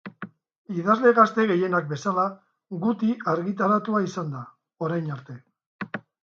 Idazle gazte gehienak bezala, guti argitaratua izan da, orain arte.